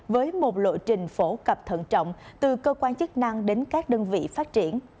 với một lộ trình phổ cập thận trọng từ cơ quan chức năng đến các đơn vị phát triển